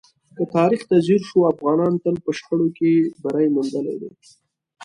که تاریخ ته ځیر شو، افغانانو تل په شخړو کې بری موندلی دی.